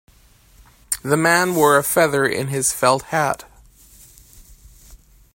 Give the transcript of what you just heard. The man wore a feather in his felt hat.